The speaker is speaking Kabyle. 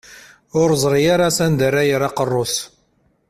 Ur yeẓri ara s anda ara yerr aqerru-s.